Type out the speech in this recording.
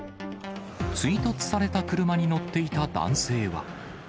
追突された車に乗っていた男性は。